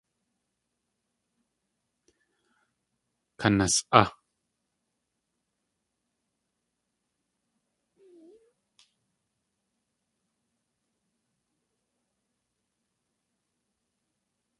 Kanas.á!